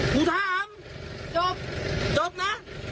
กูถามจบจบนะ